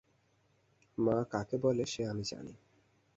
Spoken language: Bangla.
মা কাকে বলে সে আমি জানি।